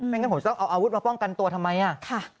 งั้นผมจะต้องเอาอาวุธมาป้องกันตัวทำไมอ่ะ